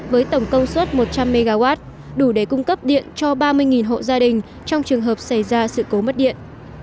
với tổng công suất một trăm linh mw đủ để cung cấp điện cho ba mươi hộ gia đình trong trường hợp xảy ra sự cố mất điện